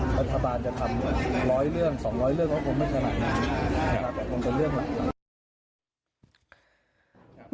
บัธบาลจะทำ๑๐๐เรื่อง๒๐๐เรื่องมันคงไม่เฉยนะครับแต่มันเป็นเรื่องเหล่านั้น